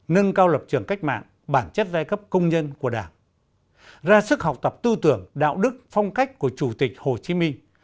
nâng cao lập trường cách mạng bản chất giai cấp công nhân của đảng ra sức học tập tư tưởng đạo đức phong cách của chủ tịch hồ chí minh